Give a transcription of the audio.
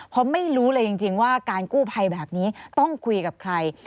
เพราะไม่รู้เลยจริงว่าการกู้ภัยแบบนี้ต้องคุยกับใคร